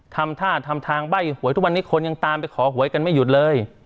ทำท่าทำทางใบ้หวยทุกวันนี้คนยังตามไปขอหวยกันไม่หยุดเลย